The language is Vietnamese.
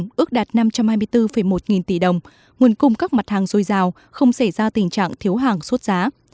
tổng mức bán lẻ hàng hóa và doanh thu dịch vụ tiêu dùng ước đạt năm trăm hai mươi bốn một nghìn tỷ đồng nguồn cung các mặt hàng dôi dào không xảy ra tình trạng thiếu hàng suốt giá